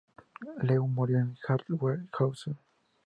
Lee murió en Hartwell House.